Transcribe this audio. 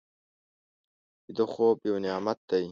ویده خوب یو نعمت دی